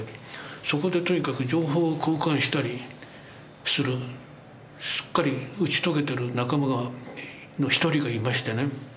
そこでとにかく情報を交換したりするすっかり打ち解けてる仲間の一人がいましてね。